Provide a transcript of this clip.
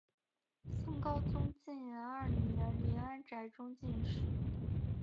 宋高宗建炎二年林安宅中进士。